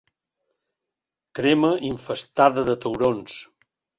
Crema infestada de taurons!